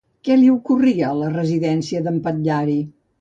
Què li ocorria a la residència d'en Patllari?